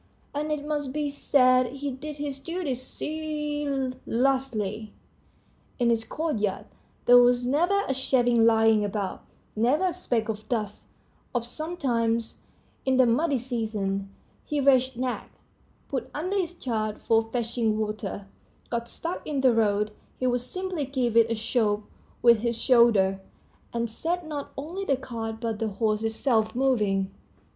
And it must be said he did his duty zealously. In his courtyard there was never a shaving lying about, never a speck of dust; if sometimes, in the muddy season, the wretched nag, put under his charge for fetching water, got stuck in the road, he would simply give it a shove with his shoulder, and set not only the cart but the horse itself moving.